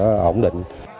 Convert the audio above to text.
với quyết tâm của mình